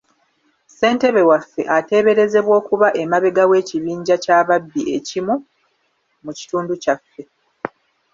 Ssentebe waffe ateeberezebwa okuba emabega w'ekibinja ky'ababbi ekimu mu kitundu kyaffe.